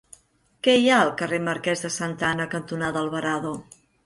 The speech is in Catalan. Què hi ha al carrer Marquès de Santa Ana cantonada Alvarado?